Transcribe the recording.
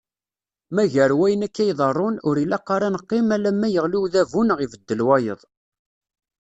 Ma gar wayen akka iḍerrun, ur ilaq ara ad neqqim alamma yeɣli udabu neɣ ibeddel wayeḍ.